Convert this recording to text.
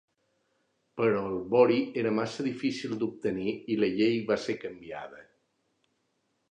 Però el vori era massa difícil d'obtenir i la llei va ser canviada.